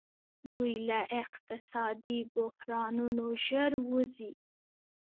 دوی له اقتصادي بحرانونو ژر وځي.